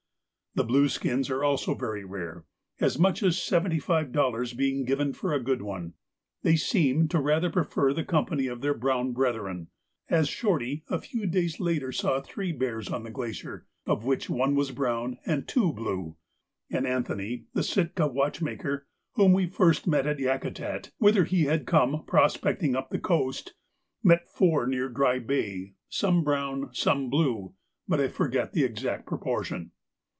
The blue skins are also very rare, as much as seventy five dollars being given for a good one. They seem to rather prefer the company of their brown brethren, as Shorty a few days later saw three bears on the glacier, of which one was brown and two blue; and Anthony, the Sitka watchmaker, whom we first met at Yakutat, whither he had come prospecting up the coast, met four near Dry Bay, some brown and some blue, but I forget the exact proportion.